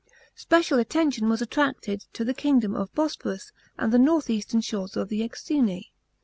Special attention was attracted tc the kingdom of Bosporus and the north eastern shores of the Knxine.